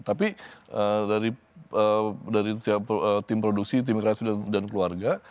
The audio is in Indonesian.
tapi dari tim produksi tim inkrasi dan keluarga